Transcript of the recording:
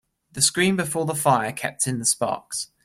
The screen before the fire kept in the sparks.